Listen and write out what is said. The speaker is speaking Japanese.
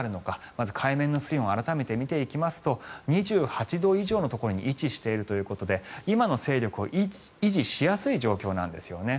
まず海面の水温を改めて見ていきますと２８度以上のところに位置しているということで今の勢力を維持しやすい状況なんですよね。